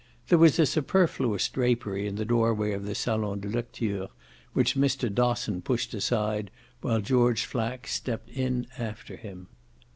There was a superfluous drapery in the doorway of the salon de lecture, which Mr. Dosson pushed aside while George Flack stepped in after him.